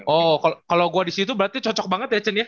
oh kalau gue disitu berarti cocok banget ya cen ya